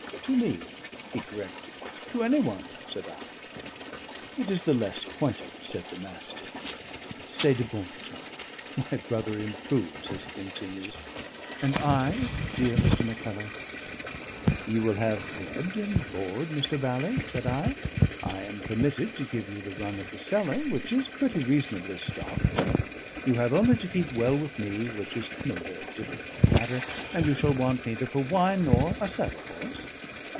"To me," he corrected. "To any one," said I. "It is the less pointed," said the Master; "c'est de bon ton: my brother improves as he continues. And I, dear Mr. Mackellar?" "You will have bed and board, Mr. Bally," said I. "I am permitted to give you the run of the cellar, which is pretty reasonably stocked. You have only to keep well with me, which is no very difficult matter, and you shall want neither for wine nor a saddle horse."